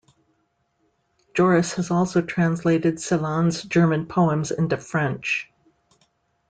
Joris has also translated Celan's German poems into French.